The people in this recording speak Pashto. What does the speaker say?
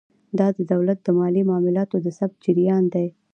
دا د دولت د مالي معاملاتو د ثبت جریان دی.